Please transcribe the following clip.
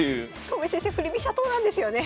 戸辺先生振り飛車党なんですよね。